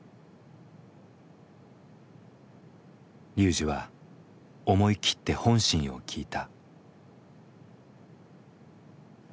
ＲＹＵＪＩは思い切って本心を聞いた。